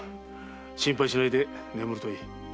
心配しないで眠るといい。